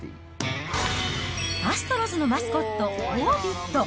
アストロズのマスコット、オービット。